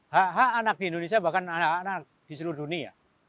hak hak anak di indonesia bahkan anak anak di seluruh dunia